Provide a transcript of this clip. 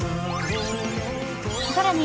［さらに］